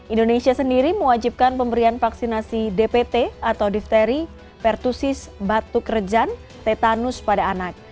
indonesia sendiri mewajibkan pemberian vaksinasi dpt atau difteri pertusis batuk rejan tetanus pada anak